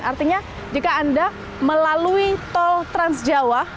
artinya jika anda melalui tol trans jawa